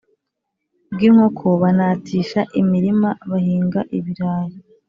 bw’inkoko banatisha imirima bahinga ibirayi.